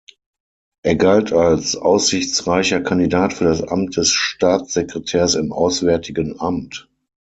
Er galt als aussichtsreicher Kandidat für das Amt des Staatssekretärs im Auswärtigen Amt.